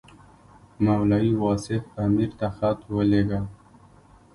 مولوي واصف امیر ته خط ولېږه.